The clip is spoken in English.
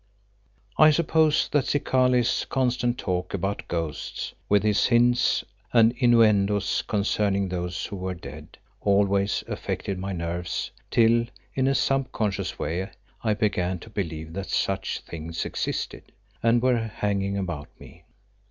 I suppose that Zikali's constant talk about ghosts, with his hints and innuendoes concerning those who were dead, always affected my nerves till, in a subconscious way, I began to believe that such things existed and were hanging about me.